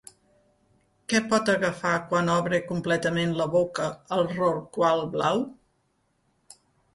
Què pot agafar quan obre completament la boca el rorqual blau?